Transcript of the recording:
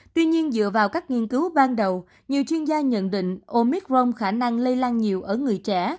tuy nhiên dựa vào các nghiên cứu ban đầu nhiều chuyên gia nhận định omic rong khả năng lây lan nhiều ở người trẻ